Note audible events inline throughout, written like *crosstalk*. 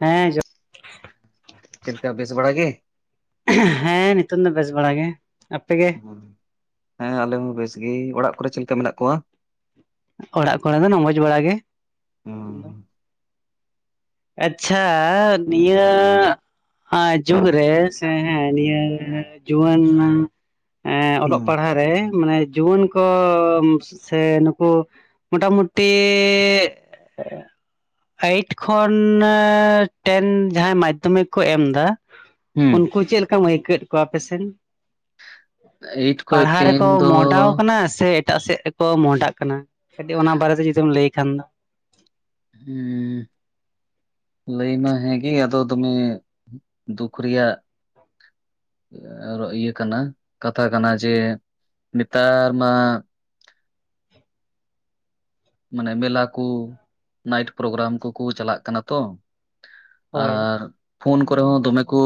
ᱦᱮᱸ ᱡᱚᱦᱟᱨ ᱜᱮ ᱪᱮᱫ ᱠᱟ ᱵᱮᱥ ᱵᱟᱲᱟ ᱜᱮ? ᱦᱮᱸ ᱱᱤᱛᱚᱝ ᱫᱚ ᱵᱮᱥ ᱵᱟᱲᱟ ᱜᱮ᱾ ᱟᱯᱮᱜᱮ? ᱦᱮᱸ ᱟᱞᱮ ᱦᱚᱸ ᱵᱮᱥ ᱜᱮ᱾ ᱚᱲᱟᱜ ᱠᱚᱨᱮ ᱪᱮᱫ ᱞᱮᱠᱟ ᱢᱮᱱᱟᱜ ᱠᱚᱣᱟ? ᱚᱲᱟᱜ ᱠᱚᱨᱮ ᱫᱚᱸ ᱢᱚᱡᱽ ᱵᱟᱲᱟ ᱜᱮ ᱾ ᱟᱪᱪᱷᱟ ᱫᱤᱭᱟᱹᱼᱼ ᱦᱮᱸ ᱡᱩᱜ ᱨᱮ ᱥᱮᱸ ᱱᱤᱭᱟᱹ ᱡᱩᱣᱟᱹᱱ ᱚᱞᱚᱜ ᱦᱩᱸ ᱯᱟᱲᱦᱟᱜ ᱨᱮ ᱢᱟᱱᱮ ᱡᱩᱣᱟᱹᱱ ᱠᱚ ᱥᱮ ᱱᱩᱠᱩ ᱢᱚᱴᱟᱢᱩᱴᱤ ᱮᱭᱤᱴ ᱠᱷᱚ ᱠᱷᱚᱱ ᱴᱮᱱ ᱡᱟᱦᱟᱸᱭ ᱢᱟᱫᱽᱫᱷᱚᱢᱤᱠ ᱠᱚ ᱮᱢ ᱮᱫᱟ ᱦᱩᱸ ᱩᱱᱠᱩ ᱪᱮᱫ ᱞᱮᱠᱟ ᱪᱮᱫ ᱞᱮᱠᱟᱢ ᱟᱹᱭ ᱠᱟᱹᱣᱭᱮᱫ ᱠᱚᱣᱟ ᱟᱯᱮᱥᱮᱱ ᱮᱭᱤᱴ ᱠᱷᱚᱡ ᱯᱟᱲᱦᱟᱣ ᱴᱮᱱ ᱨᱮᱠᱚ ᱫᱚ ᱢᱚᱦᱰᱟᱣ ᱟᱠᱟᱱᱟ ᱥᱮ ᱮᱴᱟᱜ ᱥᱮᱫ ᱜᱮᱠᱚ ᱢᱚᱦᱰᱟᱜ ᱠᱟᱱᱟ ᱠᱟᱹᱴᱤᱡ ᱚᱱᱟ ᱵᱟᱨᱮᱛᱮ ᱡᱩᱫᱤᱢ ᱞᱟᱹᱭ ᱠᱷᱟᱱ ᱫᱚ ᱦᱩᱸ᱾ ᱞᱟᱹᱭ ᱢᱟ ᱦᱮᱸᱜᱮ ᱟᱫᱚ ᱫᱚᱢᱮ ᱫᱩᱠᱷ ᱨᱮᱭᱟᱜ ᱤᱭᱟᱹ ᱠᱟᱱᱟ ᱠᱟᱛᱷᱟ ᱠᱟᱱᱟ ᱡᱮ ᱱᱮᱛᱟᱨ ᱢᱟ ᱢᱟᱱᱮ ᱢᱮᱞᱟ ᱠᱚ ᱱᱟᱭᱤᱴ ᱯᱨᱳᱜᱨᱟᱢ ᱠᱚᱠᱚ ᱪᱟᱞᱟᱜ ᱠᱟᱱᱟ ᱛᱚ ᱦᱳᱭ ᱟᱨ ᱯᱷᱳᱱ ᱠᱚᱨᱮ ᱦᱚᱸ ᱫᱚᱢᱮ ᱠᱚ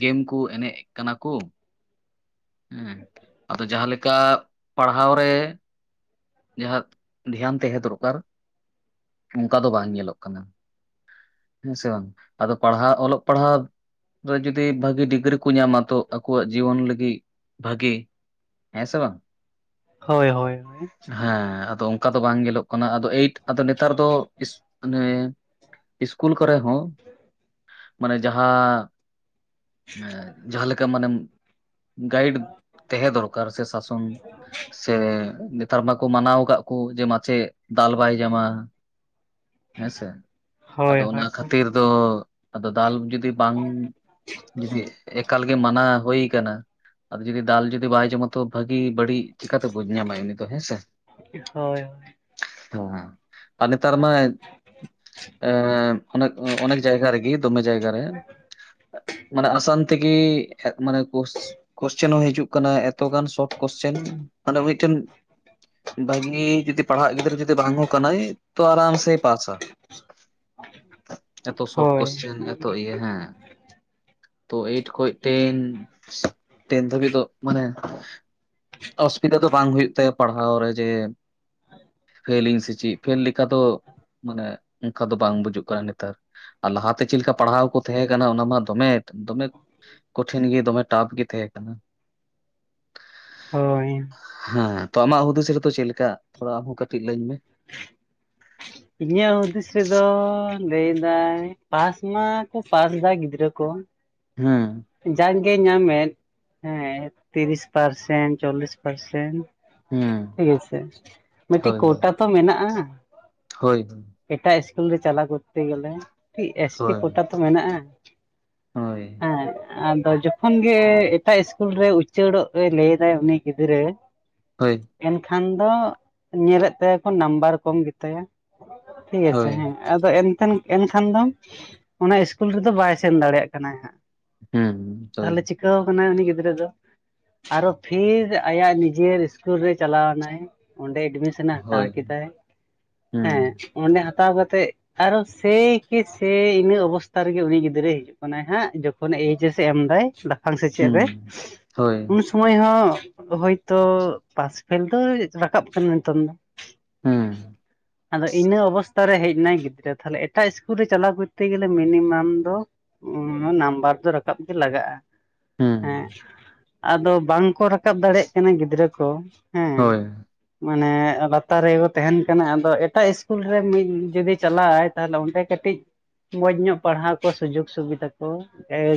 ᱜᱮᱢ ᱠᱚ ᱮᱱᱮᱡ ᱮᱜ ᱠᱟᱱᱟ ᱠᱚ ᱦᱮᱸ ᱟᱫᱚ ᱡᱟᱦᱟᱸᱞᱮᱠᱟ ᱯᱟᱲᱦᱟᱣ ᱨᱮ ᱡᱟᱦᱟᱸ ᱫᱷᱮᱭᱟᱱ ᱛᱟᱦᱮᱸ ᱫᱚᱨᱠᱟᱨ ᱚᱱᱠᱟ ᱫᱚ ᱵᱟᱝ ᱧᱮᱞᱚᱜ ᱠᱟᱱᱟ ᱾ ᱦᱮᱸ ᱥᱮ ᱵᱟᱝ ᱟᱫᱚ ᱯᱟᱲᱦᱟᱣ ᱚᱞᱚᱜ ᱯᱟᱲᱦᱟᱜ ᱡᱩᱫᱤ ᱵᱷᱟᱜᱤ ᱰᱤᱜᱽᱨᱤ ᱠᱚ ᱧᱟᱢᱟ ᱛᱚ ᱟᱠᱚᱣᱟᱜ ᱡᱤᱭᱚᱱ ᱞᱟᱹᱜᱤᱫ ᱵᱷᱟᱜᱤ ᱦᱮᱸᱥᱮ ᱵᱟᱝ? ᱦᱳᱭ ᱦᱳᱭ ᱦᱳᱭ ᱾ ᱦᱮᱸ ᱟᱫᱚ ᱚᱱᱠᱟ ᱫᱚ ᱵᱟᱝ ᱧᱮᱞᱚᱜ ᱠᱟᱱᱟ ᱟᱫᱚ ᱮᱭᱤᱴ ᱟᱫᱚ ᱱᱮᱛᱟᱨ ᱫᱚ ᱚᱱᱮ ᱤᱥᱠᱩᱞ ᱠᱚᱨᱮ ᱦᱚᱸ ᱢᱟᱱᱮ ᱡᱟᱦᱟᱸ ᱮᱸ ᱡᱟᱦᱟᱸ ᱞᱮᱠᱟ ᱢᱟᱱᱮᱢ ᱜᱟᱭᱤᱰ ᱛᱟᱦᱮᱸ ᱫᱚᱨᱠᱟᱨ ᱥᱮ ᱥᱟᱥᱚᱱ ᱥᱮ ᱱᱮᱛᱟᱨ ᱢᱟᱠᱚ ᱢᱟᱱᱟᱣ ᱟᱠᱟᱫ ᱠᱚ ᱡᱮ ᱢᱟᱪᱮᱫ ᱫᱟᱞ ᱵᱟᱭ ᱧᱟᱢᱟ ᱦᱮᱸᱥᱮ ᱦᱳᱭ ᱟᱫᱚ ᱚᱱᱟ ᱦᱳᱭ ᱠᱷᱟᱹᱛᱤᱨ ᱫᱚ ᱟᱫᱚ ᱫᱟᱞ ᱡᱩᱫᱤ ᱵᱟᱝ ᱡᱩᱫᱤ ᱮᱠᱟᱞ ᱢᱟᱱᱟ ᱦᱩᱭ ᱠᱟᱱᱟ ᱟᱫᱚ ᱡᱩᱫᱤ ᱫᱟᱞ ᱡᱩᱫᱤ ᱵᱟᱭ ᱡᱚᱢᱟ ᱛᱚ ᱵᱷᱟᱹᱜᱤ ᱵᱟᱹᱲᱤᱡ ᱪᱮᱠᱟᱛᱮ ᱵᱩᱡᱽ ᱧᱟᱢᱟ ᱩᱱᱤ᱾ ᱦᱮᱸ ᱥᱮ, ᱦᱳᱭ ᱦᱮᱸ ᱟᱨ ᱱᱮᱛᱟᱨ ᱢᱟ ᱮ ᱚᱱᱮᱠ ᱚᱱᱮᱠ ᱡᱟᱭᱜᱟ ᱨᱮᱜᱮ ᱫᱚᱢᱮ ᱡᱟᱭᱜᱟ ᱨᱮ ᱢᱟᱱᱮ ᱟᱥᱟᱱ ᱛᱮᱜᱮ ᱢᱟᱱᱮ ᱠᱳᱥ ᱠᱚᱥᱪᱮᱱ ᱦᱚᱸ ᱦᱤᱡᱩᱜ ᱠᱟᱱᱟ ᱮᱛᱚ ᱜᱟᱱ ᱥᱚᱴ ᱠᱚᱥᱪᱮᱱ ᱢᱟᱱᱮ ᱢᱤᱫᱴᱮᱱ ᱵᱷᱟᱜᱤ ᱡᱩᱫᱤ ᱯᱟᱲᱦᱟᱜ ᱜᱤᱫᱽᱨᱟᱹ ᱡᱚᱫᱤ ᱵᱟᱝ ᱦᱚᱸ ᱠᱟᱱᱟᱭ ᱛᱚ ᱟᱨᱟᱢ ᱥᱮᱭ ᱯᱟᱥᱟ᱾ ᱮᱛᱚ ᱥᱚᱨᱴ ᱦᱳᱭ ᱠᱚᱥᱪᱮᱱ ᱮᱛᱚ ᱤᱭᱟᱹ ᱦᱮᱸ ᱛᱚ ᱮᱭᱤᱴ ᱠᱷᱚᱱ ᱴᱮᱱ, ᱴᱮᱱ ᱫᱷᱟᱹᱵᱤᱡ ᱫᱚ ᱢᱟᱱᱮ ᱚᱥᱩᱵᱤᱫᱷᱟ ᱫᱚ ᱵᱟᱝ ᱦᱩᱭᱩᱜ ᱛᱟᱭᱟ ᱯᱟᱲᱦᱟᱣ ᱨᱮ ᱡᱮ ᱯᱷᱮᱞ ᱤᱧ ᱥᱮᱪᱮᱫ ᱯᱷᱮᱞ ᱞᱮᱠᱟ ᱫᱚ ᱢᱟᱱᱮ ᱚᱱᱠᱟ ᱫᱚ ᱵᱟᱝ ᱵᱩᱡᱩᱜ ᱠᱟᱱᱟ ᱱᱮᱛᱟᱨ᱾ ᱟᱨ ᱞᱟᱦᱟᱛᱮ ᱪᱮᱫ ᱞᱮᱠᱟ ᱯᱟᱲᱦᱟᱣ ᱠᱚ ᱛᱟᱦᱮᱸ ᱠᱟᱱᱟ ᱚᱱᱟ ᱢᱟ ᱫᱚᱢᱮ ᱫᱚᱢᱮ ᱠᱚᱴᱷᱤᱱ ᱜᱮ ᱫᱚᱢᱮ ᱴᱟᱯ ᱜᱮ ᱛᱟᱦᱮᱸ ᱠᱟᱱᱟ ᱾ ᱦᱳᱭ᱾ ᱛᱚ ᱟᱢᱟᱜ ᱦᱩᱫᱤᱥ ᱨᱮᱛᱚ ᱪᱮᱫ ᱞᱮᱠᱟ ᱛᱷᱚᱲᱟ ᱟᱢᱦᱚᱸ ᱠᱟᱹᱴᱤᱡ ᱞᱟᱹᱭ ᱢᱮ? ᱤᱧᱟᱹᱜ ᱦᱩᱫᱤᱥ ᱨᱮᱫᱚ ᱞᱟᱹᱭᱫᱟᱭ ᱯᱟᱥ ᱢᱟᱠᱚ ᱯᱟᱥ ᱮᱫᱟ ᱜᱤᱫᱽᱨᱟᱹ ᱠᱚ ᱦᱩᱸ᱾ ᱡᱟᱜᱼᱜᱮ ᱧᱟᱢᱮᱫ ᱦᱮᱸ ᱛᱤᱨᱤᱥ ᱯᱟᱨᱥᱮᱱ ᱪᱚᱞᱞᱤᱥ ᱯᱟᱨᱥᱮᱱᱴ ᱦᱮᱸ ᱾ ᱴᱷᱤᱠ ᱟᱪᱷᱮ ᱢᱤᱫᱴᱤᱡ ᱦᱳᱭ ᱦᱳᱭ ᱠᱳᱴᱟ ᱛᱚ ᱢᱮᱱᱟᱜᱼᱟ ᱾ ᱦᱳᱭ᱾ ᱮᱴᱟᱜ ᱤᱥᱠᱩᱞ ᱨᱮ ᱪᱟᱞᱟ ᱠᱚᱨᱛᱮ ᱜᱮᱞᱮ ᱮᱥ ᱴᱤ ᱠᱚᱴᱟ ᱛᱚ ᱢᱮᱱᱟᱜᱼᱟ ᱦᱮᱸ ᱦᱳᱭ ᱾ ᱟᱫᱚ ᱡᱚᱠᱷᱚᱱ ᱜᱮ ᱮᱴᱟᱜ ᱤᱥᱠᱩᱞ ᱨᱮ ᱩᱪᱟᱹᱲᱚᱜ ᱮ ᱞᱟᱹᱭᱫᱟᱭ ᱩᱱᱤ ᱜᱤᱫᱽᱨᱟᱹ ᱦᱳᱭ᱾ ᱮᱱᱠᱷᱟᱱ ᱫᱚ ᱧᱮᱞᱮᱫ ᱛᱟᱭᱟ ᱠᱚ ᱱᱟᱢᱵᱟᱨ ᱠᱚᱢ ᱜᱮᱛᱟᱭᱟ ᱴᱷᱤᱠ ᱟᱪᱷᱮ ᱦᱳᱭ ᱦᱮᱸ ᱾ ᱟᱫᱚ ᱮᱱᱛᱮ ᱮᱱᱠᱷᱟᱱ ᱫᱚ ᱚᱱᱟ ᱤᱥᱠᱩᱞ ᱨᱮᱫᱚ ᱵᱟᱭ ᱥᱮᱱ ᱫᱟᱲᱮᱭᱟᱜ ᱠᱟᱱᱟᱭ ᱦᱟᱸᱜ ᱾ ᱦᱮᱸᱸ ᱛᱟᱦᱚᱞᱮ ᱪᱤᱠᱟᱹᱣ ᱠᱟᱱᱟᱭ ᱩᱱᱤ ᱜᱤᱫᱽᱨᱟᱹ ᱫᱚ ᱾ ᱟᱨᱚ ᱯᱷᱤᱨ ᱟᱭᱟᱜ ᱱᱤᱡᱮᱨ ᱤᱥᱠᱩᱞ ᱨᱮ ᱪᱟᱞᱟᱣᱱᱟᱭ ᱚᱸᱰᱮ ᱮᱰᱢᱤᱥᱚᱱᱮ ᱦᱟᱛᱟᱣ ᱦᱳᱭ ᱠᱮᱫᱟᱭ ᱦᱮᱸ ᱚᱸᱰᱮ ᱦᱟᱛᱟᱣ ᱠᱟᱛᱮᱜ ᱟᱨᱚ ᱥᱮᱭ ᱠᱮ ᱥᱮᱭ ᱤᱱᱟᱹ ᱚᱵᱚᱥᱛᱟ ᱨᱮᱜᱮ ᱩᱱᱤ ᱜᱤᱫᱽᱨᱟᱹᱭ ᱦᱤᱡᱩᱜ ᱠᱟᱱᱟᱭ ᱦᱟᱸᱜ ᱡᱚᱠᱷᱱ ᱮᱭᱤᱪᱮᱥ ᱮ ᱮᱢᱫᱟᱭ ᱞᱟᱯᱷᱟᱝ ᱥᱮᱪᱮᱫ ᱦᱮᱸ ᱨᱮ ᱾ ᱦᱳᱭ ᱥᱳᱢᱚᱭ ᱦᱚᱸ ᱦᱚᱳᱭᱛᱚ ᱯᱟᱥᱯᱷᱮᱞ ᱫᱚ ᱨᱟᱠᱟᱵ ᱠᱟᱱᱟ ᱱᱤᱛᱚᱝ ᱫᱚ ᱦᱮᱸ ᱾ ᱟᱫᱚ ᱤᱱᱟᱹ ᱚᱵᱚᱥ ᱛᱟ ᱨᱮ ᱦᱮᱡ ᱮᱱᱟᱭ ᱜᱤᱫᱽᱨᱟᱹ ᱛᱟᱦᱚᱞᱮ ᱮᱴᱟᱜ ᱤᱥᱠᱩᱞ ᱨᱮ ᱪᱟᱞᱟᱣ ᱠᱚᱨᱛᱮ ᱜᱮᱞᱮ ᱢᱤᱱᱤᱢᱟᱢ ᱫᱚ ᱱᱟᱢᱵᱟᱨ ᱫᱚ ᱨᱟᱠᱟᱵ ᱜᱮ ᱞᱟᱜᱟᱜᱼᱟ ᱦᱮᱸ ᱾ ᱟᱫᱚ ᱵᱟᱝᱠᱚ ᱨᱟᱠᱟᱵ ᱫᱟᱲᱮᱭᱟᱜ ᱠᱟᱱᱟ ᱜᱤᱫᱽᱨᱟᱹ ᱠᱚ ᱦᱮᱸ᱾ ᱦᱳᱭ ᱢᱟᱱᱮ ᱞᱟᱛᱟᱨ ᱨᱮᱠᱚ ᱛᱟᱦᱮᱱ ᱠᱟᱱᱟ ᱟᱫᱚ ᱮᱴᱟᱜ ᱤᱥᱠᱩᱞ ᱨᱮ ᱢᱤᱫ ᱡᱩᱫᱤ ᱪᱟᱞᱟᱜᱟᱭ ᱛᱟᱦᱚᱞᱮ ᱚᱸᱰᱮ ᱠᱟᱹᱴᱤᱡ ᱢᱚᱡᱽ ᱧᱚᱜ ᱯᱟᱲᱦᱟᱣ ᱠᱚ ᱥᱩᱡᱳᱜᱽ ᱥᱩᱵᱤᱫᱟ ᱠᱚ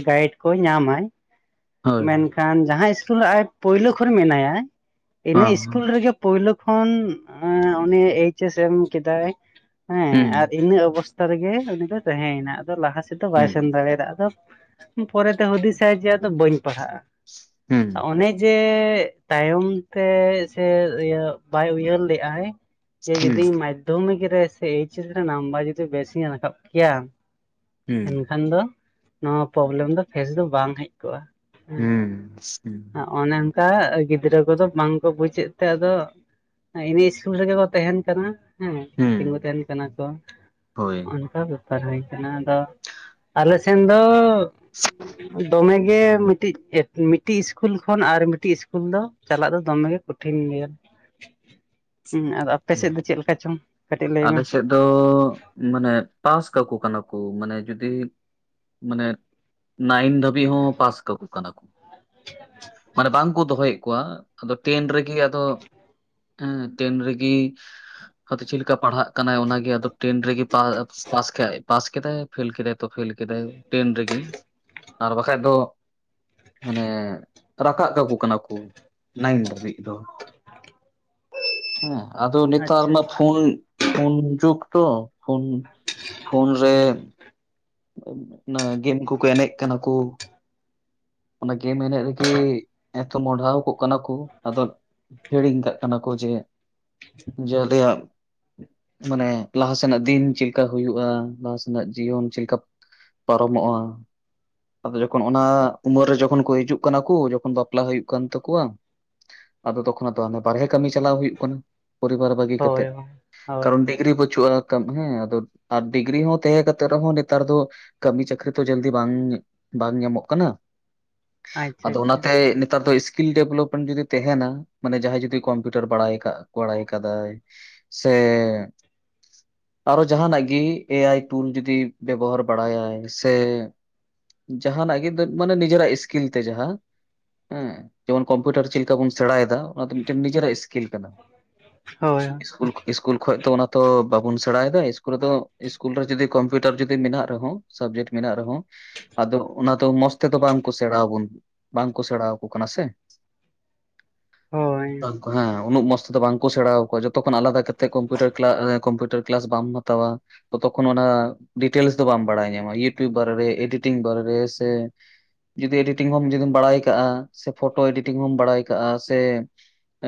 ᱜᱟᱭᱤᱰ ᱠᱚ ᱧᱟᱢᱟᱭ ᱦᱳᱭ ᱢᱮᱱᱠᱷᱟᱱ ᱠᱷᱟᱱ ᱡᱟᱦᱟᱸ ᱤᱥᱠᱩᱞ ᱟᱡ ᱯᱳᱭᱞᱳ ᱠᱷᱚᱱ ᱢᱮᱱᱟᱭᱟ ᱤᱱᱟᱹ ᱦᱮᱸ ᱤᱥᱠᱩᱞ ᱨᱮᱜᱮ ᱯᱳᱭᱞᱳ ᱠᱷᱚᱱ ᱩᱱᱤ ᱮᱭᱤᱪᱮᱥ ᱮᱢ ᱠᱮᱫᱟᱭ ᱦᱮᱸ ᱟᱨ ᱤᱱᱟᱹ ᱚᱵᱚᱥ ᱩᱱᱟ ᱨᱮᱜᱮ ᱩᱱᱤ ᱫᱚ ᱛᱟᱦᱮᱸᱭᱮᱱᱟ ᱟᱫᱚ ᱞᱟᱦᱟ ᱥᱮᱫ ᱫᱚ ᱵᱟᱭ ᱦᱮᱸ ᱥᱮᱱ ᱫᱟᱲᱮᱭᱟᱫᱟ ᱟᱫᱚ ᱯᱚᱨᱮᱛᱮ ᱦᱩᱫᱤᱥᱟᱭ ᱡᱮ ᱟᱫᱚ ᱵᱟᱹᱧ ᱯᱟᱲᱦᱟᱜᱼᱟ ᱦᱮᱸ ᱚᱱᱮ ᱡᱮ ᱛᱟᱭᱚᱢ ᱛᱮ ᱥᱮ ᱤᱭᱟᱹ ᱵᱟᱭ ᱩᱭᱦᱟᱹᱨ ᱞᱮᱫᱟᱭ ᱾ ᱦᱮᱸ ᱡᱩᱫᱤᱧ ᱢᱟᱫᱽᱫᱷᱚᱢᱤᱠ ᱨᱮ ᱥᱮ ᱮᱭᱤᱪᱮᱥ ᱨᱮ ᱱᱟᱢᱵᱟᱨ ᱡᱩᱫᱤ ᱵᱮᱥᱤᱧ ᱨᱟᱠᱟᱵ ᱠᱮᱭᱟ ᱦᱮᱸ ᱮᱱᱠᱷᱟᱱ ᱫᱚ ᱱᱚᱣᱟ ᱯᱨᱚᱵᱞᱮᱢ ᱫᱚ ᱯᱷᱮᱥ ᱫᱚ ᱵᱟᱝ ᱦᱮᱡ ᱠᱚᱜᱼᱟ ᱦᱮᱸ ᱦᱩᱸ ᱦᱩᱸ ᱚᱱᱮ ᱚᱱᱠᱟ ᱜᱤᱫᱽᱨᱟᱹ ᱠᱚᱫᱚ ᱵᱟᱝ ᱠᱚ ᱵᱩᱡᱮᱫ ᱛᱮ ᱟᱫᱚ ᱤᱱᱟᱹ ᱤᱥᱠᱩᱞ ᱨᱮᱜᱮ ᱠᱚ ᱛᱟᱦᱮᱱ ᱠᱟᱱᱟ ᱦᱮᱸ ᱦᱩᱸ ᱛᱤᱸᱜᱩ ᱛᱟᱦᱮᱱ ᱠᱟᱱᱟ ᱠᱚ ᱦᱳᱭ ᱚᱱᱠᱟ ᱜᱮ ᱦᱩᱭ ᱠᱟᱱᱟ ᱟᱫᱚ ᱟᱞᱮ ᱥᱮᱱ ᱫᱚ ᱾ ᱫᱚᱢᱮᱮ ᱢᱤᱫᱴᱤᱡ ᱾ ᱢᱤᱫᱴᱤᱡ ᱤᱥᱠᱩᱞ ᱠᱷᱚᱱ ᱟᱨ ᱢᱤᱫᱴᱤᱡ ᱤᱥᱠᱩᱞ ᱫᱚ ᱪᱟᱞᱟᱜ ᱫᱚ ᱫᱚᱢᱮ ᱜᱮ ᱠᱚᱴᱷᱤᱱ ᱜᱮᱭᱟ ᱾ ᱦᱮᱸ ᱟᱫᱚ ᱟᱯᱮ ᱦᱩᱸ᱾ ᱥᱮᱫ ᱫᱚ ᱪᱮᱫ ᱞᱮᱠᱟ ᱪᱚᱝ ᱠᱟᱹᱴᱤᱡ ᱞᱟᱹᱭ ᱟᱞᱮ ᱢᱮ? ᱥᱮᱫ ᱫᱚ ᱢᱟᱱᱮ ᱯᱟᱥ ᱠᱟᱠᱚ ᱠᱟᱱᱟ ᱠᱚ ᱢᱟᱱᱮ ᱡᱩᱫᱤ ᱢᱟᱱᱮ ᱱᱟᱭᱤᱱ ᱫᱷᱟᱹᱵᱤᱡ ᱦᱚᱸ ᱯᱟᱥ ᱠᱟᱠᱚ ᱠᱟᱱᱟ ᱠᱚ ᱾ ᱢᱟᱱᱮ ᱵᱟᱝ ᱠᱚ ᱫᱚᱦᱚᱭᱮᱫ ᱠᱚᱣᱟ ᱟᱫᱚ ᱴᱮᱱ ᱨᱮᱜᱮ ᱟᱫᱚ ᱦᱮᱸ ᱴᱮᱱ ᱨᱮ ᱤ.. ᱟᱫᱚ ᱪᱮᱫᱠᱟ ᱯᱟᱲᱦᱟᱜ ᱠᱟᱱᱟᱭ ᱚᱱᱟᱜᱮ ᱟᱫᱚ ᱴᱮᱱ ᱨᱮᱜᱮ ᱯᱟᱥ ᱠᱷᱟᱡ ᱯᱟᱥ ᱠᱮᱫᱟᱭ ᱾ ᱯᱷᱮᱞ ᱠᱮᱫᱟᱭ ᱛᱚ ᱯᱷᱮᱞ ᱠᱮᱫᱟᱭ ᱴᱮᱱ ᱨᱮᱜᱮ ᱟᱨ ᱵᱟᱠᱷᱟᱡ ᱫᱚ ᱢᱟᱱᱮ ᱨᱟᱠᱟᱵ ᱠᱟᱠᱚ ᱠᱟᱱᱟ ᱠᱚ ᱱᱟᱭᱤᱱ ᱫᱷᱟᱹᱵᱤᱡ ᱫᱚ ᱾ ᱦᱮᱸ᱾ ᱟᱫᱚ ᱱᱮᱛᱟᱨ ᱟᱪᱪᱷᱟ ᱢᱟ ᱯᱷᱳᱱ ᱯᱷᱳᱱ ᱡᱩᱜᱽ ᱛᱚ ᱯᱷᱳᱱ ᱯᱷᱳᱱ ᱨᱮ᱾ ᱚᱱᱟ ᱜᱮᱢ ᱠᱚᱠᱚ ᱮᱱᱮᱡ ᱠᱟᱱᱟ ᱠᱚ᱾ ᱚᱱᱟ ᱜᱮᱢ ᱢᱮᱱᱮᱡ ᱨᱮᱜᱤ ᱮᱛᱚ ᱢᱚᱰᱷᱟᱣ ᱠᱚᱜ ᱠᱟᱱᱟ ᱠᱚ ᱟᱫᱚ ᱦᱤᱲᱤᱧ ᱠᱟᱜ ᱠᱟᱱᱟ ᱠᱚ ᱡᱮ ᱟᱞᱮᱭᱟᱜ᱾ ᱢᱟᱱᱮ ᱞᱟᱦᱟ ᱥᱮᱱᱟᱜ ᱫᱤᱱ ᱪᱮᱞᱠᱟ ᱦᱩᱭᱩᱜᱼᱟ ᱞᱟᱦᱟ ᱥᱮᱱᱟᱜ ᱡᱤᱭᱚᱱ ᱪᱮᱞᱠᱟ ᱯᱟᱨᱚᱢᱚᱜᱼᱟ ᱟᱫᱚ ᱡᱚᱠᱷᱚᱱ ᱚᱱᱟ᱾ ᱩᱢᱟᱹᱨ ᱨᱮ ᱡᱚᱠᱷᱚᱱ ᱠᱚ ᱦᱤᱡᱩᱜ ᱠᱟᱱᱟ ᱠᱚ ᱡᱚᱠᱷᱚᱱ ᱵᱟᱯᱞᱟ ᱦᱩᱭᱩᱜ ᱠᱟᱱ ᱛᱟᱠᱚᱣᱟ ᱟᱫᱚ ᱛᱚᱠᱷᱚᱱ ᱟᱫᱚ ᱟᱸᱱᱮ ᱵᱟᱨᱦᱮ ᱠᱟᱹᱢᱤ ᱪᱟᱞᱟᱣ ᱦᱩᱭᱩᱜ ᱠᱟᱱᱟ ᱯᱚᱨᱤᱵᱟᱨ ᱵᱟᱹᱜᱤ ᱦᱳᱭ ᱠᱟᱛᱮᱜ ᱦᱳᱭ ᱠᱟᱨᱚᱱ ᱰᱤᱜᱽᱨᱤ ᱵᱟᱹᱪᱩᱜ ᱟᱱᱟ ᱛᱟᱢ ᱦᱮᱸ ᱟᱫᱚ ᱟᱨ ᱰᱤᱜᱨᱤ ᱦᱚᱸ ᱛᱟᱦᱮᱸ ᱠᱟᱛᱮ ᱨᱮᱦᱚᱸ ᱱᱤ ᱱᱮᱛᱟᱨ ᱫᱚ ᱠᱟᱹᱢᱤ ᱪᱟᱹᱠᱨᱤ ᱛᱚ ᱡᱟᱞᱫᱤ ᱵᱟᱝ ᱵᱟᱝ ᱧᱟᱢᱚᱜ ᱠᱟᱱᱟ ᱟᱪᱪᱷᱟ ᱟᱫᱚ ᱟᱪᱪᱷᱟ ᱚᱱᱟᱛᱮ ᱱᱤ ᱱᱮᱛᱟᱨ ᱫᱚ ᱤᱥᱠᱤᱞ ᱰᱮᱵᱞᱚᱵᱢᱮᱱᱴ ᱡᱩᱫᱤ ᱛᱮᱦᱮᱱᱟ ᱢᱟᱱᱮ ᱡᱟᱦᱟᱸᱭ ᱡᱩᱫᱤ ᱠᱚᱢᱯᱤᱭᱩᱴᱟᱨ ᱵᱟᱲᱟᱭ ᱠᱟᱜ ᱵᱟᱲᱟᱭ ᱠᱟᱫᱟᱭ᱾ ᱥᱮ ᱟᱨᱚ ᱡᱟᱦᱟᱱᱟᱜ ᱜᱮ ᱮᱟᱭ ᱴᱩᱞ ᱡᱩᱫᱤ ᱵᱮᱵᱚᱦᱟᱨ ᱵᱟᱲᱟᱭᱟᱭ ᱥᱮ᱾ ᱡᱟᱦᱟᱱᱟᱜ ᱜᱮ ᱢᱟᱱᱮ ᱱᱤᱡᱮᱨᱟᱜ ᱤᱥᱠᱤᱞ ᱛᱮ ᱡᱟᱦᱟ ᱮᱸ ᱡᱮᱢᱚᱱ ᱠᱚᱢᱯᱤᱭᱩᱴᱟᱨ ᱪᱮᱫ ᱞᱮᱠᱟ ᱵᱚᱱ ᱥᱮᱬᱟᱭᱮᱫᱟ ᱚᱱᱟ ᱫᱚ ᱢᱤᱫᱴᱮᱱ ᱱᱤᱡᱮᱨᱟᱜ ᱥᱠᱤᱞ ᱠᱟᱱᱟ᱾ ᱦᱳᱭ ᱠᱩᱞ ᱠᱷᱚᱡ ᱛᱚ ᱚᱱᱟ ᱛᱚ ᱵᱟᱵᱚᱱ ᱥᱮᱬᱟᱭᱮᱫᱟ ᱤᱥᱠᱩᱞ ᱨᱮᱫᱚ ᱤᱥᱠᱩᱞ ᱨᱮ ᱡᱩᱫᱤ ᱠᱚᱢᱯᱤᱭᱩ ᱴᱟᱨ ᱡᱩᱫᱤ ᱢᱮᱱᱟᱜ ᱨᱮᱦᱚ ᱥᱟᱵᱡᱮᱠᱴ ᱢᱮᱱᱟᱜ ᱨᱮᱦᱚ ᱟᱫᱚ ᱚᱱᱟ ᱫᱚ ᱢᱚᱸᱥᱛᱮᱫᱚ ᱵᱟᱝ ᱥᱮᱬᱟ ᱟᱵᱚᱱ ᱵᱟᱝᱠᱚ ᱥᱮᱬᱟᱣᱟᱠᱚ ᱠᱟᱱᱟ ᱥᱮ ᱼᱼ ᱼᱼ ᱦᱮᱸ ᱩᱱᱟᱹᱜ ᱢᱚᱸᱥᱛᱮᱫᱚ ᱵᱟᱝᱠᱚ ᱥᱮᱬᱟᱣᱟᱠᱚᱣᱟ ᱡᱚᱛᱚ ᱠᱷᱚᱱ ᱟᱞᱟᱫᱟ ᱠᱟᱛᱮᱫ ᱠᱚᱢᱯᱤᱭᱩᱴᱟᱨ ᱠᱞᱟ ᱮ ᱠᱚᱢᱯᱤᱭᱩᱴᱟᱨ ᱠᱞᱟᱥ ᱵᱟᱢ ᱦᱟᱛᱟᱣᱟ ᱛᱚᱛᱚ ᱠᱷᱚᱱ ᱚᱱᱟ ᱰᱤᱴᱮᱞᱥ ᱫᱚ ᱵᱟᱢ ᱵᱟᱲᱟᱭ ᱧᱟᱢᱟ ᱤᱭᱩᱵᱴᱩᱵᱽ ᱵᱟᱨᱮ ᱨᱮ ᱮᱰᱤᱴᱤᱝ ᱵᱟᱨᱮ ᱨᱮ ᱥᱮ᱾ ᱡᱩᱫᱤ ᱮᱰᱤᱴᱤᱝ ᱦᱚᱢ ᱡᱩᱫᱤᱢ ᱵᱟᱲᱟᱭ ᱠᱟᱜᱼᱟ ᱥᱮ ᱯᱷᱳᱴᱳ ᱮᱰᱤᱴᱤᱝ ᱦᱚᱢ ᱵᱟᱲᱟᱭ ᱠᱟᱜᱼᱟ ᱥᱮ᱾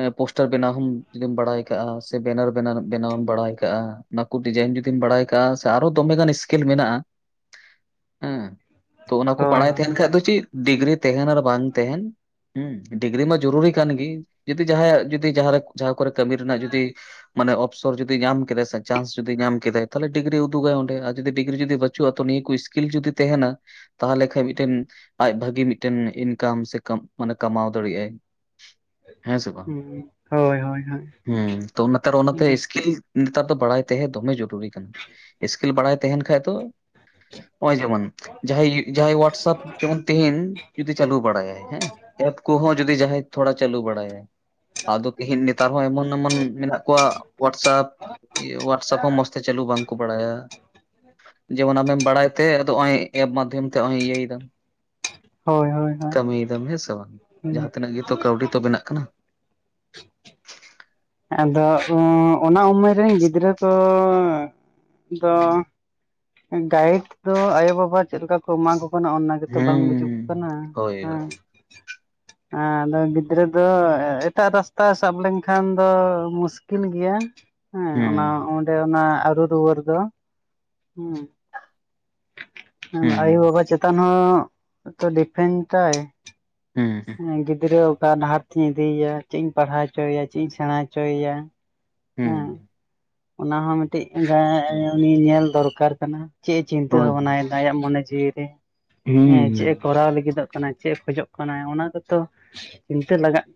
ᱮ ᱯᱳᱥᱴᱟᱨ ᱵᱮᱱᱟᱣ ᱦᱚᱢ ᱡᱩᱫᱤᱢ ᱵᱟᱲᱟᱭ ᱠᱟᱜᱼᱟ ᱥᱮ ᱵᱮᱱᱟᱨ ᱵᱮᱱᱟᱨ ᱵᱮᱱᱟᱣᱮᱢ ᱵᱟᱲᱟᱭ ᱠᱟᱜᱼᱟ ᱱᱟᱠᱩ ᱰᱤᱡᱟᱭᱤᱱ ᱡᱩᱫᱤᱢ ᱵᱟᱲᱟᱭ ᱠᱟᱜᱼᱟ ᱥᱮ ᱟᱨᱚ ᱫᱚᱢᱮ ᱜᱟᱱ ᱤᱥ ᱠᱤᱞ ᱢᱮᱱᱟᱜᱼᱟ ᱦᱮ ᱛᱚ ᱚᱱᱟ ᱠᱚ ᱦᱳᱭ ᱦᱳᱭ ᱵᱟᱲᱟᱭ ᱛᱟᱦᱮᱱ ᱠᱷᱟᱡ ᱫᱚ ᱪᱮᱫ ᱰᱤᱜᱽᱨᱤ ᱛᱟᱦᱮᱱ ᱟᱨ ᱵᱟᱝ ᱛᱟᱦᱮᱱ᱾ ᱦᱩᱸ ᱰᱤᱜᱽᱨᱤ ᱢᱟ ᱡᱚᱨᱩᱨᱤ ᱠᱟᱱ ᱜᱮ ᱡᱩᱫᱤ ᱡᱟᱦᱟᱭᱟᱜ ᱡᱩᱫᱤ ᱡᱟᱦᱟᱸ ᱨᱮ ᱡᱟᱦᱟᱸ ᱠᱚᱨᱮ ᱠᱟᱹᱢᱤ ᱨᱮᱱᱟᱜ ᱡᱩᱫᱤ᱾ ᱢᱟᱱᱮ ᱚᱯᱥᱚᱨ ᱡᱩᱫᱤ ᱧᱟᱢ ᱠᱮᱫᱟᱭ ᱥᱮ ᱪᱟᱱᱥ ᱡᱩᱫᱤ ᱧᱟᱢ ᱠᱮᱫᱟᱭ ᱛᱷᱟᱞᱮ ᱰᱤᱜᱽᱨᱤ ᱩᱫᱩᱜᱟᱭ ᱚᱸᱰᱮ ᱟ ᱡᱩᱫᱤ ᱰᱤᱜᱽᱨᱤ ᱡᱩᱫᱤ ᱵᱟᱹᱪᱩᱜᱼᱟ ᱛᱚ ᱱᱤᱭᱟᱹ ᱠᱚ ᱤᱥᱠᱤᱞ ᱡᱩᱫᱤ ᱛᱟᱦᱮᱱᱟ ᱛᱟᱦᱚᱞᱮ ᱠᱷᱟᱡ ᱢᱤᱫᱴᱮᱱ ᱟᱡ ᱵᱷᱟᱹᱜᱤ ᱢᱤᱫᱴᱮᱱ ᱤᱱᱠᱟᱢ ᱥᱮ ᱠᱟᱢ ᱢᱟᱱᱮ ᱠᱟᱢᱟᱣ ᱫᱟᱲᱮᱭᱟᱜ-ᱟᱭ ᱦᱮᱸ ᱥᱮ ᱵᱟᱝ ᱦᱳᱭ ᱦᱳᱭ ᱦᱳᱭ ᱦᱩ ᱛᱚ ᱱᱮᱛᱟᱨ ᱚᱱᱟᱛᱮ ᱤᱥᱠᱤᱞ ᱱᱮᱛᱟᱨ ᱫᱚ ᱵᱟᱲᱟᱭ ᱛᱟᱦᱮᱸ ᱫᱚᱢᱮ ᱡᱚᱨᱩᱨᱤ ᱠᱟᱱᱟ ᱤᱥᱠᱤᱞ ᱵᱟᱲᱟᱭ ᱛᱟᱦᱮᱸᱱ ᱠᱷᱟᱡᱽ ᱫᱚ ᱚᱭ ᱡᱮᱢᱚᱱ ᱡᱟᱦᱟᱭ ᱡᱟᱦᱟᱭ ᱳᱣᱟᱰᱥᱟᱯ ᱡᱮᱢᱚᱱ ᱛᱮᱦᱮᱱ ᱡᱩᱫᱤ ᱪᱟᱞᱩ ᱵᱟᱲᱟᱭᱟᱭ ᱦᱮᱸ ᱮᱯ ᱠᱚᱦᱚᱸ ᱡᱩᱫᱤ ᱡᱟᱦᱟᱭ ᱛᱷᱚᱲᱟ ᱪᱟᱞᱩ ᱵᱟᱲᱟᱭᱟᱭ ᱟᱫᱚ ᱛᱮᱦᱮᱱ ᱱᱮᱛᱟᱨ ᱦᱚᱸ ᱮᱢᱚᱱ ᱮᱢᱚᱱ ᱢᱮᱱᱟᱜ ᱠᱚᱣᱟ ᱳᱣᱟᱰᱥᱟᱯ ᱤᱭᱟᱹ ᱳᱣᱟᱰᱥᱟᱯ ᱦᱚᱸ ᱢᱚᱸᱥᱛᱮ ᱛᱮ ᱪᱟᱹᱞᱩ ᱵᱟᱝ ᱠᱚ ᱵᱟᱲᱟᱭᱟ ᱡᱮᱢᱚᱱ ᱟᱢᱮᱢ ᱵᱟᱲᱟᱭ ᱛᱮ ᱟᱫᱚ ᱚᱭ ᱮᱯ ᱢᱟᱫᱷᱚᱢ ᱛᱮ ᱚᱭ ᱤᱭᱟᱹᱭ ᱫᱟᱢ ᱦᱚᱭ ᱦᱚᱭ ᱦᱚ ᱠᱟᱹᱢᱤᱭᱮᱫᱟᱢ ᱦᱮ ᱥᱮ ᱵᱟᱝ ᱡᱟᱦᱟ ᱛᱤᱱᱟᱹᱜ ᱜᱮᱛᱚ ᱠᱟᱹᱣᱰᱤ ᱛᱚ ᱵᱮᱱᱟᱜ ᱠᱟᱱᱟ ᱟᱫᱚ ᱚᱸ ᱚᱱᱟ ᱩᱢᱮᱨ ᱨᱮᱱ ᱜᱤᱫᱽᱨᱟᱹ ᱠᱚ᱾ ᱫᱚ ᱜᱟᱭᱤᱰ ᱫᱚ ᱟᱭᱳᱼᱵᱟᱵᱟ ᱪᱮᱫ ᱞᱮᱠᱟ ᱠᱚ ᱮᱢᱟ ᱠᱚ ᱠᱟᱱᱟ ᱚᱱᱟ ᱜᱮ ᱜᱮᱛᱚ ᱵᱟᱝ ᱦᱩᱸ ᱵᱩᱡᱩᱜ ᱠᱟᱱᱟ ᱦᱳᱭ ᱦᱮ᱾ ᱦᱳᱭ ᱟ ᱫᱚ ᱜᱤᱫᱽᱨᱟᱹ ᱫᱚ ᱮᱴᱟᱜ ᱨᱟᱥᱛᱟ ᱥᱟᱵ ᱞᱮᱝᱠᱷᱟᱱ ᱫᱚ ᱢᱩᱥᱠᱤᱞ ᱜᱮᱭᱟ ᱦᱮ ᱚᱱᱟ᱾ ᱦᱩᱸ ᱥᱮ ᱚᱱᱟ ᱟᱨᱩ ᱨᱩᱣᱟᱹᱲ ᱫᱚ ᱦᱮᱸ ᱟᱭᱳ ᱦᱩᱸ ᱵᱟᱵᱟ ᱪᱮᱛᱟᱱ ᱦᱚᱸᱛᱚ ᱰᱤᱯᱷᱮᱱᱴ ᱟᱭ ᱾ ᱦᱮᱸ ᱾ ᱜᱤᱫᱽᱨᱟᱹ ᱚᱠᱟ ᱰᱟᱦᱟᱨ ᱛᱮᱧ ᱤᱫᱤᱭᱮᱭᱟ, ᱪᱮᱫ ᱤᱧ ᱯᱟᱲᱦᱟᱣ ᱦᱚᱪᱚᱮᱭᱟ, ᱪᱮᱫ ᱤᱧ ᱥᱮᱬᱟ ᱦᱚᱪᱚᱭᱮᱭᱟ ᱾ ᱦᱩᱸ ᱦᱮᱸ ᱾ ᱚᱱᱟ ᱦᱚᱸ ᱢᱤᱫᱴᱤᱡ *inaudible* ᱩᱱᱤ ᱧᱮᱞ ᱫᱚᱨᱠᱟᱨ ᱠᱟᱱᱟ, ᱪᱮᱫ ᱮ ᱪᱤᱱᱛᱟᱹ ᱦᱳᱭ ᱵᱷᱟᱵᱱᱟᱭᱫᱟ ᱟᱭᱟᱜ ᱢᱚᱱᱮ ᱡᱤᱣᱤ ᱦᱩᱸ *unintelligible* ᱦᱮᱸ ᱪᱮᱜᱼᱮ ᱠᱚᱨᱟᱣ ᱞᱟᱹᱜᱤᱫᱚᱜ ᱠᱟᱱᱟ ᱪᱮᱜᱼᱮ ᱠᱷᱚᱡᱚᱜ ᱠᱟᱱᱟ, ᱚᱱᱟ ᱫᱚᱛᱚ, ᱪᱤᱱᱛᱟᱹ ᱞᱟᱜᱟᱜ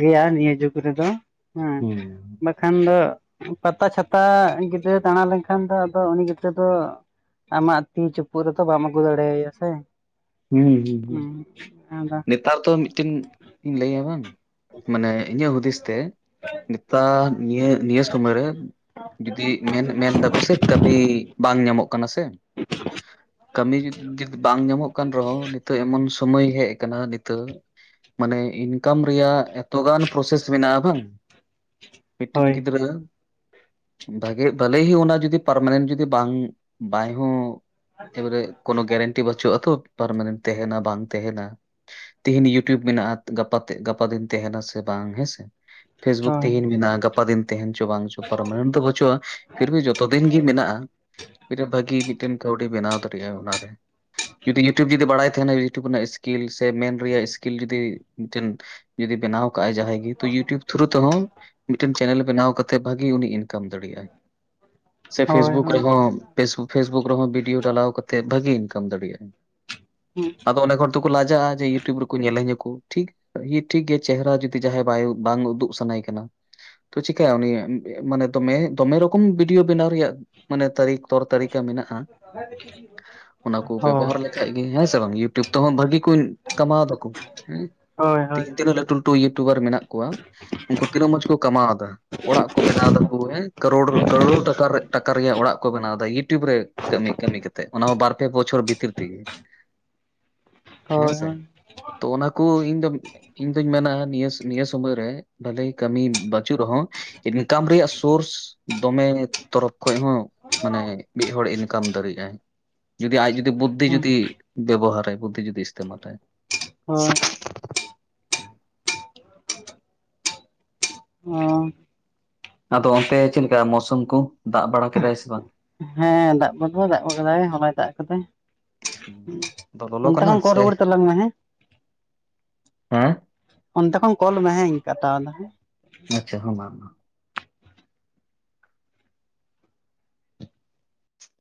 ᱜᱮᱭᱟ ᱱᱤᱭᱟᱹ ᱡᱩᱜᱽ ᱨᱮᱫᱚ ᱾ ᱦᱮᱸ ᱦᱩᱸ ᱵᱟᱠᱷᱟᱱ ᱫᱚ ᱯᱟᱛᱟ ᱪᱷᱟᱛᱟ ᱜᱤᱫᱽᱨᱟᱹ ᱫᱟᱬᱟ ᱞᱮᱱᱠᱷᱟᱱ ᱠᱷᱟᱱ ᱫᱚ ᱟᱫᱚ ᱩᱱᱤ ᱜᱤᱫᱽᱨᱟᱹ ᱫᱚ ᱟᱢᱟᱜ ᱛᱤ ᱪᱩᱯᱩᱫ ᱨᱮᱫᱚ ᱵᱟᱢ ᱟᱹᱜᱩ ᱫᱟᱲᱮᱭᱟᱭᱟ ᱥᱮ, ᱦᱩᱸ ᱦᱩᱸ ᱦᱩᱸ ᱱᱮᱛᱟᱨ ᱫᱚ ᱢᱤᱫᱴᱮᱱ *unintelligible* ᱞᱟᱹᱭᱟ ᱵᱟᱝ ᱾ ᱢᱟᱱᱮ ᱤᱧᱟᱹᱜ ᱦᱩᱫᱤᱥ ᱛᱮ ᱱᱮᱛᱟᱨ ᱱᱤᱭᱟᱹ ᱱᱤᱭᱟᱹ ᱥᱚᱢᱚᱭ ᱨᱮ ᱡᱩᱫᱤ ᱢᱮᱱ ᱢᱮᱱ ᱫᱟᱠᱚᱥᱮ ᱠᱟᱹᱢᱤ ᱵᱟᱝ ᱧᱟᱢᱚᱜᱼᱟ, ᱠᱟᱱᱟ ᱥᱮ ᱠᱟᱹᱢᱤ ᱡᱩᱫᱤ ᱵᱟᱝ ᱧᱟᱢᱚᱜ ᱠᱟᱱ ᱨᱮᱦᱚᱸ ᱱᱤᱛᱚᱜ ᱮᱢᱚᱱ ᱥᱳᱢᱳᱭ ᱦᱮᱡ ᱟᱠᱟᱱᱟ ᱱᱤᱛᱚᱜ ᱢᱟᱱᱮ ᱤᱱᱠᱟᱢ ᱨᱮᱭᱟᱜ ᱮᱛᱚ ᱜᱟᱱ ᱯᱨᱚᱥᱮᱥ ᱢᱮᱱᱟᱜᱼᱟ ᱵᱟᱝ, ᱢᱤᱫᱴᱮᱱ ᱦᱳᱭ ᱜᱤᱫᱽᱨᱟᱹ ᱵᱷᱟᱜᱮ ᱵᱷᱟᱞᱮ ᱦᱩᱭᱩᱜ ᱚᱱᱟ ᱡᱩᱫᱤ ᱯᱟᱨᱢᱟᱱᱮᱱᱴ ᱡᱩᱫᱤ ᱵᱟᱝ ᱵᱟᱭ ᱦᱚᱸ ᱮᱵᱟᱨᱮ ᱠᱚᱱᱳ ᱜᱮᱨᱮᱱᱴᱤ ᱵᱟᱹᱪᱩᱜᱼᱟ ᱛᱚ ᱯᱟᱨᱢᱟᱱᱮᱱᱴ ᱛᱟᱦᱮᱱᱟ ᱵᱟᱝ ᱛᱟᱦᱮᱸᱱᱟ ᱾ ᱛᱤᱦᱤᱧ ᱤᱭᱩᱴᱩᱵᱽ ᱢᱮᱱᱟᱜᱼᱟ *inaudible* ᱜᱟ ᱜᱟᱯᱟ ᱫᱤᱱ ᱛᱟᱦᱮᱱᱟ ᱥᱮ ᱵᱟᱝ ᱦᱮᱸᱥᱮ? ᱯᱷᱮᱥᱵᱩᱠ ᱦᱳᱭ ᱛᱮᱦᱮᱧ ᱢᱮᱱᱟᱜᱼᱟ ᱜᱟᱯᱟ ᱫᱤᱱ ᱛᱟᱦᱮᱱ ᱪᱚ ᱵᱟᱝ ᱪᱚ ᱯᱟᱨᱢᱟᱱᱮᱱᱴ ᱫᱚ ᱵᱟᱪᱩᱜᱼᱟ ᱯᱷᱤᱨᱵᱷᱤ ᱡᱚᱛᱚ ᱫᱤᱱ ᱜᱮ ᱢᱮᱱᱟᱜᱼᱟ, ᱢᱤᱫᱴᱮᱱ ᱵᱷᱟᱜᱤ ᱢᱤᱫᱴᱮᱱ ᱠᱟᱹᱣᱰᱤ ᱵᱮᱱᱟᱣ ᱫᱟᱲᱮᱭᱟᱜᱼᱟ ᱚᱱᱟᱨᱮ᱾ ᱡᱩᱫᱤ ᱤᱭᱩᱴᱩᱵᱽ ᱡᱩᱫᱤ ᱵᱟᱲᱟᱭ ᱛᱟᱦᱮᱱᱟ, ᱤᱭᱩᱴᱩᱵᱽ ᱨᱮᱱᱟᱜ ᱥᱠᱤᱞ ᱥᱮ ᱢᱮᱱ ᱨᱮᱭᱟᱜ ᱥᱠᱤᱞ ᱡᱩᱫᱤ ᱢᱤᱫᱴᱮᱱ ᱡᱩᱫᱤ ᱵᱮᱱᱟᱣ ᱡᱟᱦᱟᱭ ᱤᱭᱩᱴᱤᱭᱩᱵ ᱛᱮᱦᱚᱸ ᱢᱤᱫᱴᱮᱱ ᱪᱮᱱᱮᱞ ᱵᱮᱱᱟᱣ ᱠᱟᱛᱮᱜ ᱵᱷᱟᱜᱤ ᱩᱱᱤ ᱤᱱ ᱠᱟᱢ ᱫᱟᱲᱮᱭᱟᱜᱼᱟᱭ ᱥᱮ ᱦᱳᱭ ᱯᱷᱮᱥᱵᱩᱠ ᱦᱳᱭ ᱨᱮᱦᱚᱸ ᱯᱷᱮᱥ *inaudible* ᱯᱷᱮᱥᱵᱠ ᱨᱮᱦᱚᱸ ᱵᱷᱤᱰᱭᱳ ᱰᱟᱞᱟᱣ ᱠᱟᱛᱮᱜ ᱵᱷᱟᱜᱤ ᱤᱱᱠᱟᱢ ᱫᱟᱲᱮᱭᱟᱜᱼᱟᱭ᱾ ᱦᱮᱸ ᱾ ᱟᱫᱚ ᱚᱱᱮᱠ ᱦᱚᱲ ᱛᱚᱠᱚ ᱞᱟᱡᱟᱜᱼᱟ, ᱡᱮ ᱤᱭᱩᱴᱩᱵᱽ ᱨᱮᱠᱚ ᱧᱮᱞᱮᱧᱟ ᱠᱚ, ᱴᱷᱤᱠ *unintelligible* ᱴᱷᱤᱠ ᱜᱮᱭᱟ ᱪᱮᱦᱨᱟ ᱡᱩᱫᱤ ᱡᱟᱦᱟᱸᱭ ᱵᱟᱭ ᱵᱟᱝ ᱩᱫᱩᱜ ᱥᱟᱱᱟᱭᱮ ᱠᱟᱱᱟ, ᱛᱚ ᱪᱤᱠᱟᱭᱟ ᱩᱱᱤ ᱢᱟᱱᱮ ᱫᱚᱢᱮ ᱫᱚᱢᱮ ᱨᱚᱠᱚᱢ ᱵᱷᱤᱰᱤᱭᱳ ᱵᱮᱱᱟᱣ ᱨᱮᱭᱟᱜ ᱢᱟᱱᱮ ᱛᱟᱹᱨᱤᱠᱟ ᱛᱚᱨ ᱛᱟᱹᱨᱤᱠᱟ ᱢᱮᱱᱟᱜᱼᱟ, ᱚᱱᱟ ᱠᱚ ᱦᱳᱭ ᱵᱮᱵᱚᱦᱟᱨ ᱞᱮ ᱦᱮᱸ ᱥᱮ ᱵᱟᱝ ᱤᱭᱩᱴᱩᱵᱽ ᱛᱮᱦᱚᱸ ᱵᱷᱟᱹᱜᱤ ᱠᱚᱧ ᱠᱟᱢᱟᱣ ᱫᱟᱠᱚ ᱦᱮᱸ ᱾ ᱦᱳᱭ ᱦᱳᱭ ᱦᱳᱭ ᱛᱤᱦᱤᱧ ᱛᱤᱱᱟᱹᱜ ᱞᱟᱴᱩ ᱞᱟᱹᱴᱩ ᱤᱭᱩᱴᱩᱵᱟᱨ ᱢᱮᱱᱟᱜ ᱠᱚᱣᱟ, ᱩᱱᱠᱩ ᱛᱤᱱᱟᱹᱜ ᱢᱚᱸᱡᱽ ᱠᱚ ᱠᱟᱢᱟᱣᱮᱫᱟ᱾ ᱚᱲᱟᱜ ᱠᱚ ᱵᱮᱱᱟᱣ ᱫᱟᱠᱚ ᱦᱮᱸ, ᱠᱟᱨᱳᱲ ᱠᱟᱨᱳᱲ ᱴᱟᱠᱟ ᱨᱮ *inaudible* ᱚ ᱨᱮᱭᱟᱜ ᱚᱲᱟᱜ ᱠᱚ ᱵᱮᱱᱟᱣ ᱮᱫᱟ ᱤᱭᱩᱴᱩᱵᱽ ᱨᱮ ᱠᱟᱹᱢᱤ ᱠᱟᱹᱢᱤ ᱠᱟᱛᱮᱫ, ᱚᱱᱟᱦᱚ ᱵᱟᱨ ᱯᱮ ᱵᱚᱪᱷᱚᱨ ᱵᱷᱤᱛᱤᱨ ᱛᱮᱜᱮ ᱾ ᱦᱮᱸᱥᱮ ᱛᱚ ᱚᱱᱟ ᱠᱚ ᱤᱧ ᱫᱚ ᱤᱧ ᱫᱩᱧ ᱢᱮᱱᱟ ᱱᱤᱭᱟᱹ ᱱᱤᱭᱟᱹ ᱥᱩᱢᱚᱭ ᱨᱮ, ᱵᱷᱟᱞᱮ ᱠᱟᱹᱢᱤ ᱵᱟᱹᱪᱩᱜ ᱨᱮᱦᱚᱸ ᱤᱱᱠᱟᱢ ᱨᱮᱭᱟᱜ ᱥᱳᱨᱥ ᱫᱚᱢᱮ ᱛᱚᱨᱚᱯᱷ ᱠᱷᱚᱡ ᱦᱚᱸ ᱢᱟᱱᱮ ᱢᱤᱫ ᱦᱚᱲ ᱤᱱᱠᱟᱢ ᱫᱟᱲᱮᱜᱟᱭ ᱡᱩᱫᱤ ᱟᱡ ᱡᱩᱫᱤ ᱵᱩᱫᱽᱫᱷᱤ ᱦᱳᱭ ᱡᱩᱫᱤ ᱵᱮᱵᱚᱦᱟᱨ ᱟᱭ ᱵᱩᱫᱽᱫᱷᱤ ᱡᱩᱫᱤ ᱤᱥᱛᱮᱢᱟᱞᱟᱭ ᱾ ᱦᱳᱭ ᱾ ᱚ᱾ ᱟᱫᱚ ᱚᱱᱛᱮ ᱪᱮᱫ ᱞᱮᱠᱟ ᱢᱳᱥᱩᱢ ᱠᱚ ᱫᱟᱜ ᱵᱟᱲᱟ ᱠᱮᱫᱟᱭ ᱥᱮ ᱵᱟᱝ? ᱦᱮᱸ ᱫᱟᱜ ᱢᱟᱛᱚᱭ ᱫᱟᱜ ᱠᱮᱫᱟᱭ ᱦᱚᱞᱟ ᱫᱟᱜ ᱠᱮᱫᱟᱭ ᱟᱫᱚ ᱾ ᱞᱚᱞᱚ ᱚᱱᱛᱮ ᱠᱟᱱᱟ ᱠᱷᱚᱱ ᱠᱚᱞ ᱥᱮ ᱨᱩᱣᱟᱹᱲ ᱛᱟᱞᱟᱝ ᱢᱮ ᱦᱮᱸ ᱾ ᱦᱮᱸ ᱚᱱᱛᱮ ᱠᱷᱚᱱ ᱠᱚᱞ ᱢᱮ ᱦᱮᱸ ᱤᱧ ᱠᱟᱴᱟᱣ ᱫᱟ ᱦᱮ ᱾ ᱟᱪᱪᱷᱟ ᱦᱚᱸ ᱵᱟᱝ *inaudible*